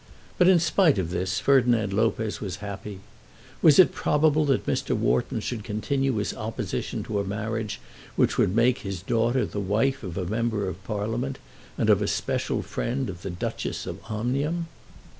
But in spite of this Ferdinand Lopez was happy. Was it probable that Mr. Wharton should continue his opposition to a marriage which would make his daughter the wife of a member of Parliament and of a special friend of the Duchess of Omnium?